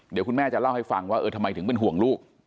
เดี๋ยวคุณแม่จะเล่าให้ฟังว่าเออทำไมถึงเป็นห่วงลูก